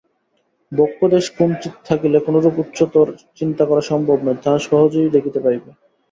বক্ষোদেশ কুঞ্চিত থাকিলে কোনরূপ উচ্চতর চিন্তা করা সম্ভব নয়, তাহা সহজেই দেখিতে পাইবে।